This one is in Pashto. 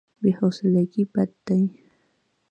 بې حوصلګي بد دی.